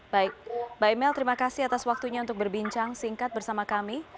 baik mbak emil terima kasih atas waktunya untuk berbincang singkat bersama kami